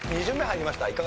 ２巡目入りました。